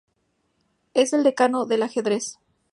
Es el decano del ajedrez.